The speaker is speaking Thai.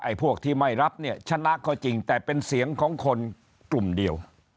พวกที่ไม่รับเนี่ยชนะก็จริงแต่เป็นเสียงของคนกลุ่มเดียว